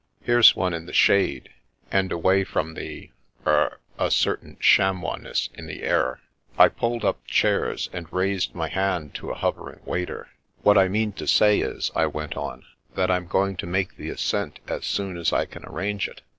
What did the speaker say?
Here's one in the shade, and away from the— er — ql certain chamois ness in the air." I pulled up chairs, and raised my hand to a hovering waiter. " What I mean to say is," I went on, " that I'm going to make the ascent as soon as I can arrange it.